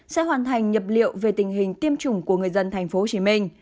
sẽ hoàn thành nhập liệu về tình hình tiêm chủng của người dân tp hcm